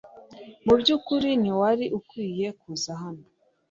Mubyukuri ntiwari ukwiye kuza hano